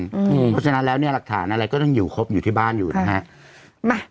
เพราะฉะนั้นแล้วเนี่ยหลักฐานอะไรก็ต้องอยู่ครบอยู่ที่บ้านอยู่นะฮะ